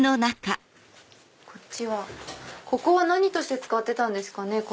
ここは何として使ってたんですかね？